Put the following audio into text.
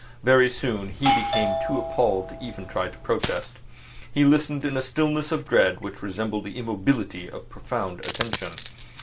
Very soon he became too appalled to even try to protest. He listened in a stillness of dread which resembled the immobility of profound attention.